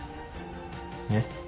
えっ？